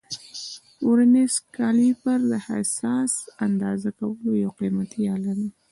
ورنیز کالیپر د حساس اندازه کولو یو قیمتي آله ده.